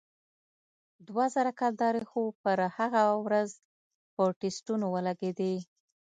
دوه زره کلدارې خو پر هغه ورځ په ټسټونو ولگېدې.